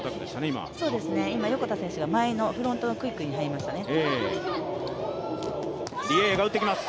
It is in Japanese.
今、横田選手がフロントのクイックに入りましたね。